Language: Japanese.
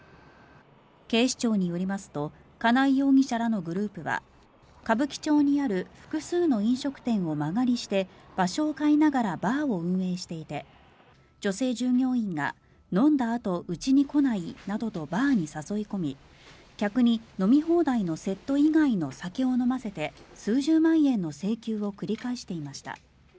警視庁によりますと金井容疑者らのグループは歌舞伎町にある複数の飲食店を間借りして場所を変えながらバーを運営していて女性従業員が飲んだあとうちに来ない？などとバーに誘い込み客に飲み放題のセット以外の酒を飲ませて数十万円の請求を繰り返していました。